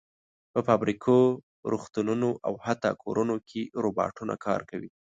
په فابریکو، روغتونونو او حتی کورونو کې روباټونه کار کوي.